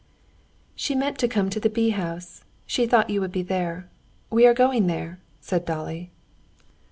"She meant to come to the bee house. She thought you would be there. We are going there," said Dolly.